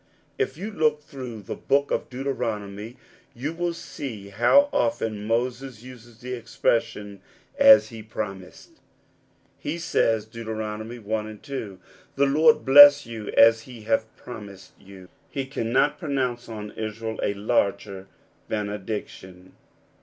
If you look through the Book of Deuteronomy, you will see how often Moses uses the expression ^^as he promised^ He says (Deut. i. 1 1), "The Lord bless you as he hath promised you '*: he cannot pronounce on Israel a larger benediction.